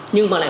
nhưng mà lại